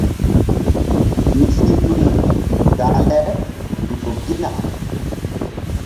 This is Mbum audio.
Mi si lumu zah le mi ƴo gina.